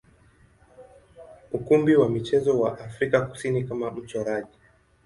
ukumbi wa michezo wa Afrika Kusini kama mchoraji.